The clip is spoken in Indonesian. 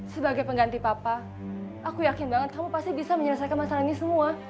sebagai pengganti papa aku yakin banget kamu pasti bisa menyelesaikan masalah ini semua